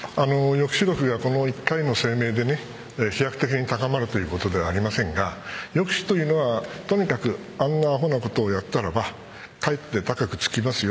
抑止力がこの１回の声明で飛躍的に高まるということではありませんが抑止というのは、とにかくあんなあほなことをやったらばかえって高くつきますよ。